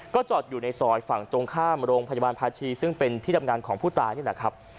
ก็จอดอยู่ในซอยฝั่งตรงข้ามโรงพยาบาลภาชีซึ่งเป็นที่ทำงานของผู้ตายนี่แหละครับ